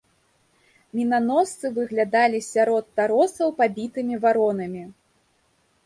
Мінаносцы выглядалі сярод таросаў пабітымі варонамі.